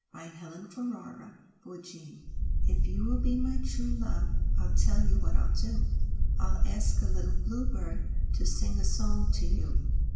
A VALENTINE TO CATHERINE If you will be my True Love, I'll tell you what I'll do, I'll ask a little bluebird To sing a song to you.